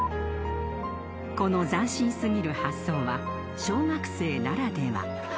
［この斬新過ぎる発想は小学生ならでは］